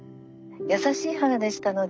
優しい母でしたので。